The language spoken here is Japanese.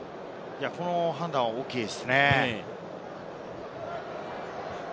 この判断は大きいですね。